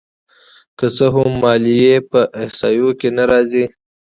که څه هم ماليې په احصایو کې نه راځي